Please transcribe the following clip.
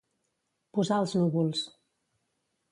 Posar als núvols.